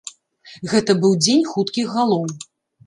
Гэта быў дзень хуткіх галоў.